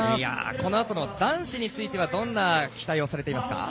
このあとの男子についてはどんな期待をされていますか？